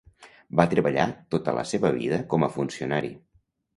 Va treballar tota la seva vida com a funcionari.